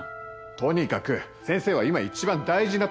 とにかく先生は今一番大事な時なんです。